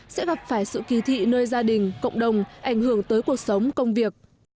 sẽ gặp phải sự kỳ thị nơi gia đình cộng đồng ảnh hưởng tới cuộc sống công việc